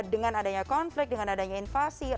dengan adanya konflik dengan adanya invasi